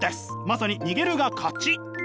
まさに逃げるが勝ち！